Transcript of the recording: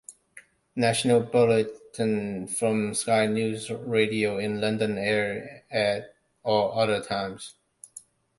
National bulletins from Sky News Radio in London air at all other times.